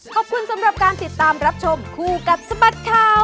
ขอบคุณสำหรับการติดตามรับชมคู่กับสบัดข่าว